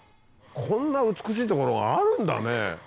こんな美しい所があるんだね。